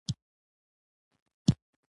دا یووالی د هرې ټولنې اړتیا ده.